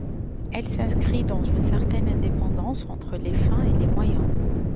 Elle s'inscrit dans une certaine indépendance entre les fins et les moyens.